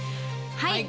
はい！